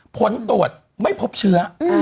ผลตรวจไม่พบเชื้อ